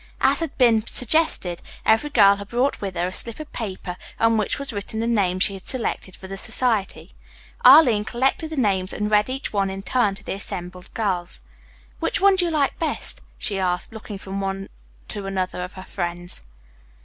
As had been suggested, every girl had brought with her a slip of paper on which was written the name she had selected for the society. Arline collected the names and read each one in turn to the assembled girls. "Which one do you like best?" she asked, looking from one to another of her friends.